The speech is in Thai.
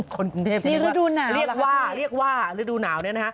คนกรุงเทพฯเรียกว่าฤดูหนาว